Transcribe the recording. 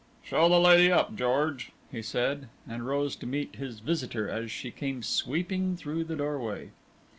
"Show the lady up, George," he said, and rose to meet his visitor as she came sweeping through the doorway.